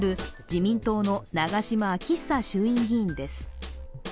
自民党の長島昭久衆院議員です。